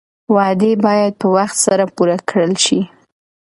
وعدې باید په وخت سره پوره کړل شي.